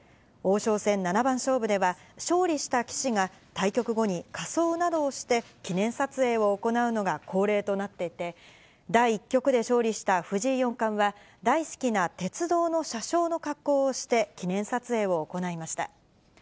王将戦七番勝負では、勝利した棋士が、対局後に仮装などをして、記念撮影を行うのが恒例となっていて、第１局で勝利した藤井四冠は、大好きな鉄道の車掌の格好をして、記念撮影を行いました。